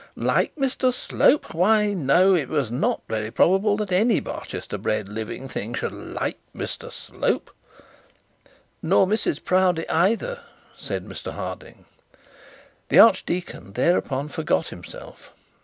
Like Mr Slope! Why no, it was not very probable that any Barchester bred living thing should like Mr Slope! 'Nor Mrs Proudie either,' said Mr Harding. The archdeacon thereupon forgot himself.